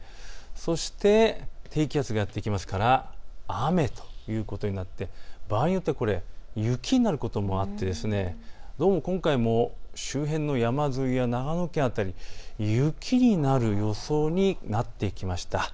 そして低気圧がやって来ますから雨ということになって、場合によっては雪になることもあってどうも今回も周辺の山沿いや長野県辺り雪になる予想になってきました。